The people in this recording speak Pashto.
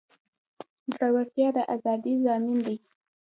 زړورتیا د ازادۍ ضامن دی.